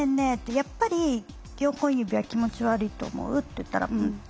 やっぱり４本指は気持ち悪いと思う？」って言ったら「うん」って。